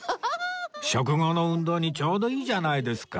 食後の運動にちょうどいいじゃないですか